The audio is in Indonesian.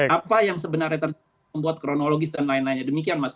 apa yang sebenarnya membuat kronologis dan lain lainnya demikian mas